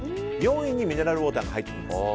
４位にミネラルウォーターが入ってきます。